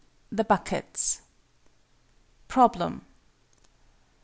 THE BUCKETS. _Problem.